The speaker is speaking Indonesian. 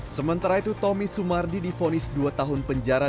sementara itu tommy sumardi difonis dua tahun penjara